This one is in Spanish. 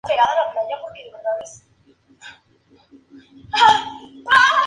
Esto les deja preocupados.